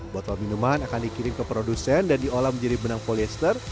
botol minuman akan dikirim ke produsen dan diolah menjadi benang polyester